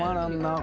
あ。